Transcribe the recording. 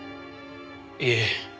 いえ。